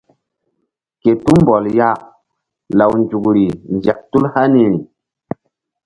Ke tumbɔl ya law nzukri nzek tul haniri.